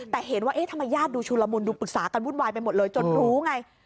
แต่เห็นว่าเอ๊ะทำไมญาติดูชุลมุนดูปรึกษากันวุ่นวายไปหมดเลยจนรู้ไง